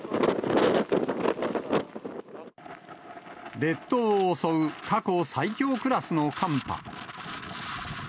列島を襲う過去最強クラスの寒波。